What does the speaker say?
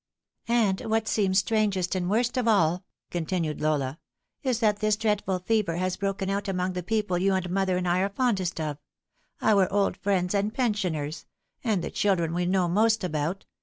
" And what seems strangest and worst of all," continued Lola, " is that this dreadful fever has broken out among the people you and mother and I are fondest of our old friends and pensioners and the children we know most about.